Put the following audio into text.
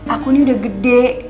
aku ini udah gede